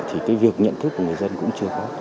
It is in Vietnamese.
thì cái việc nhận thức của người dân cũng chưa có